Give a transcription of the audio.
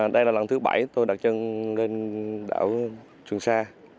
đây là lần thứ bảy tôi đặt chân lên đảo trường sa